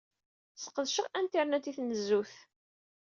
Sseqdaceɣ Internet i tnezzut.